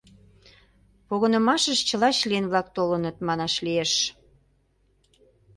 Погынымашыш чыла член-влак толыныт, манаш лиеш.